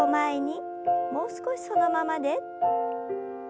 もう少しそのままで。